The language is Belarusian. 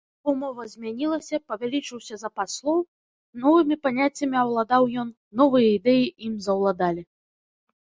Яго мова змянілася, павялічыўся запас слоў, новымі паняццямі аўладаў ён, новыя ідэі ім заўладалі.